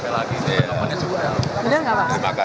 ada peluang ketemu sama suleka enggak pak